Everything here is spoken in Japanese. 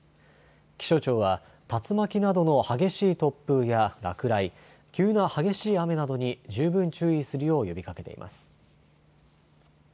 気象庁は竜巻などの激しい突風や落雷、急な激しい雨などに十分注意するよう呼びかけています。